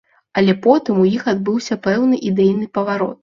Але потым у іх адбыўся пэўны ідэйны паварот.